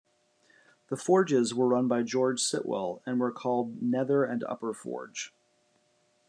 The forges were run by George Sitwell, and were called Nether and Upper forge.